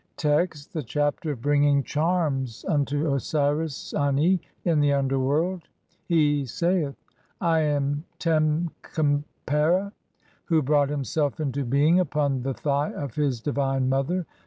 Text : (1) The Chapter of bringing charms unto Osiris Ani [in the underworld] ; he saith :— (2) "I am Tem Khepera, who brought himself into being upon "the thigh of his divine mother.